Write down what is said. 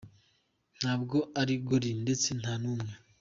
nTabwo ari Godin ndetse nta n’umwe.